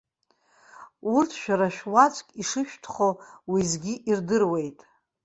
Урҭ шәара шәуаӡәк ишышәтәхо уеизгьы ирдыруеит.